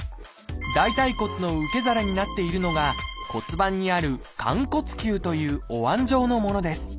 大腿骨の受け皿になっているのが骨盤にある「寛骨臼」というおわん状のものです。